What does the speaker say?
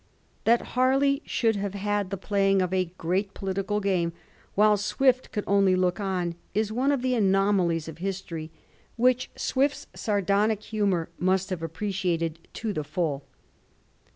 That Harley should have had the playing of a great poUtical game while Swift could only look on, is one of the anomalies of history which Swift's sardonic humour must have appreciated to the full.